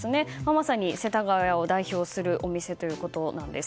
まさに世田谷を代表するお店ということなんです。